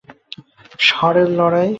ষাঁড়ের লড়াই